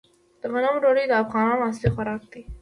د غنمو ډوډۍ د افغانانو اصلي خوراک دی.